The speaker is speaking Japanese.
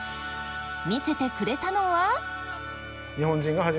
見せてくれたのは。